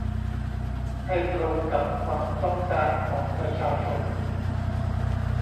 ให้ตรงกับความต้องการของประชาชน